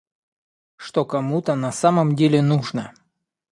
что кому-то на самом деле нужно